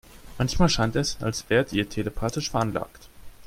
Manchmal scheint es, als wärt ihr telepathisch veranlagt.